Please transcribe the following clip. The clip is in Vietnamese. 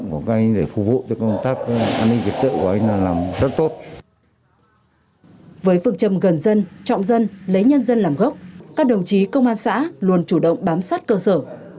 với phương châm gần dân trọng dân lấy nhân dân làm gốc các đồng chí công an xã luôn chủ động bám sát cơ sở